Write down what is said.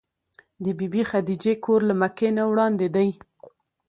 د بي بي خدېجې کور له مکې نه وړاندې دی.